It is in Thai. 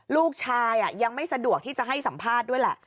ลูกชายยังไม่สะดวกที่จะให้สัมภาษณ์ด้วยแหละ